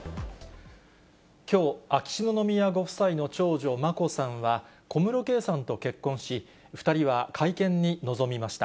きょう、秋篠宮ご夫妻の長女、眞子さんは、小室圭さんと結婚し、２人は会見に臨みました。